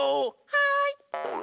はい。